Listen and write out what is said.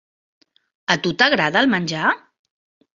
A tu t'agrada el menjar?